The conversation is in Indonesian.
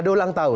ada ulang tahun